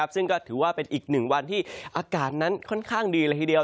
ซึ่งก็ถือว่าเป็นอีกหนึ่งวันที่อากาศนั้นค่อนข้างดีเลยทีเดียว